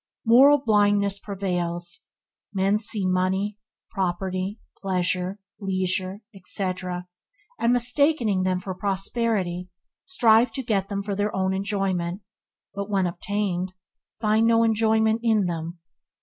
Moral blindness prevails. Men see money, property, pleasure, leisure, etc., and, mistaking them for prosperity, strive to get them for their own enjoyment, but, when obtained, they find no enjoyment in them.